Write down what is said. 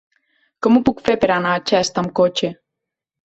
Com ho puc fer per anar a Xest amb cotxe?